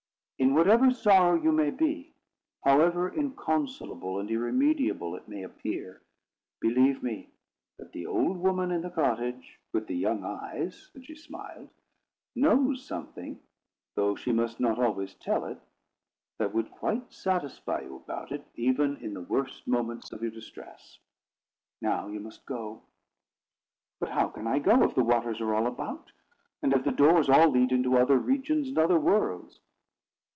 In whatever sorrow you may be, however inconsolable and irremediable it may appear, believe me that the old woman in the cottage, with the young eyes" (and she smiled), "knows something, though she must not always tell it, that would quite satisfy you about it, even in the worst moments of your distress. Now you must go." "But how can I go, if the waters are all about, and if the doors all lead into other regions and other worlds?"